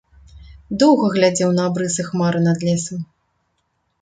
Доўга глядзеў на абрысы хмары над лесам.